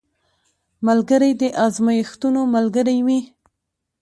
ملګری د ازمېښتو ملګری وي